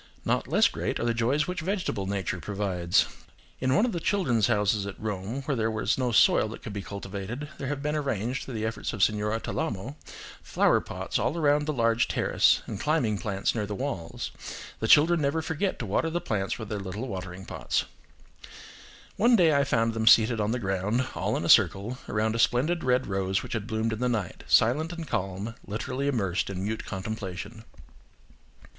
Not less great are the joys which vegetable nature provides. In one of the " Children's Houses" at Rome, where there was no soil that could be cultivated, there have been arranged, through the efforts of Signora Talamo, flower pots all around the large terrace, and climbing plants near the walls. The children never forget to water the plants with their little watering pots. One day I found them seated on the ground, all in a circle, around a splendid red rose which had bloomed in the night; silent and calm, literally immersed in mute contemplation.